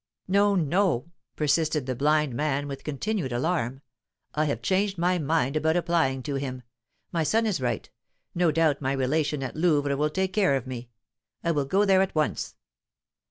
"No, no," persisted the blind man with continued alarm; "I have changed my mind about applying to him. My son is right. No doubt my relation at Louvres will take care of me. I will go there at once."